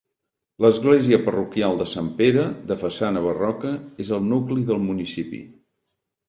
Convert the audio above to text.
L'església parroquial de Sant Pere, de façana barroca, és el nucli del municipi.